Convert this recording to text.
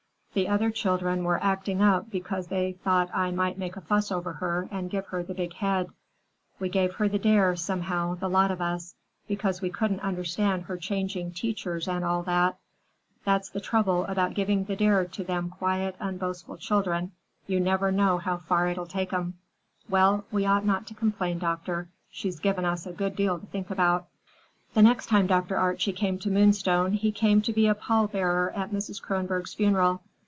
"The other children were acting up because they thought I might make a fuss over her and give her the big head. We gave her the dare, somehow, the lot of us, because we couldn't understand her changing teachers and all that. That's the trouble about giving the dare to them quiet, unboastful children; you never know how far it'll take 'em. Well, we ought not to complain, doctor; she's given us a good deal to think about." The next time Dr. Archie came to Moonstone, he came to be a pall bearer at Mrs. Kronborg's funeral.